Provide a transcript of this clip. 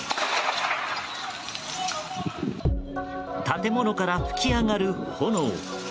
建物から噴き上がる炎。